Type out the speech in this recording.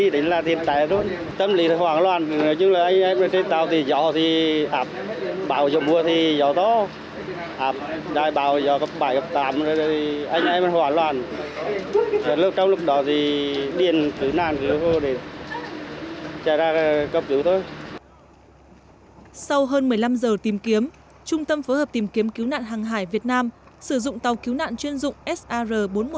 sau hơn một mươi năm giờ tìm kiếm trung tâm phối hợp tìm kiếm cứu nạn hàng hải việt nam sử dụng tàu cứu nạn chuyên dụng sar bốn trăm một mươi một